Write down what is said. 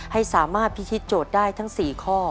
ให้สามารถพิธีโจทย์ได้ทั้ง๔ข้อ